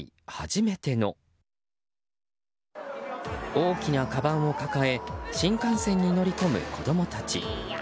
大きなかばんを抱え新幹線に乗り込む子供たち。